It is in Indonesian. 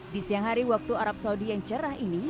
di siang hari waktu arab saudi yang cerah ini